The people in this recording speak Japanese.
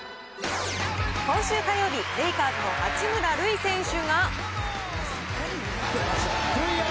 今週火曜日、レイカーズの八村塁選手が。